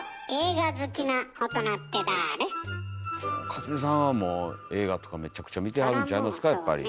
克実さんはもう映画とかめちゃくちゃ見てはるんちゃいますか？